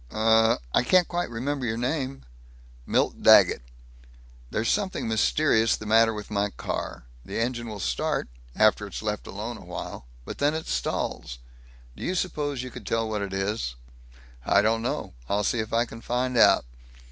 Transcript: Uh I can't quite remember your name " "Milt Daggett." "There's something mysterious the matter with my car. The engine will start, after it's left alone a while, but then it stalls. Do you suppose you could tell what it is?" "I don't know. I'll see if I can find out."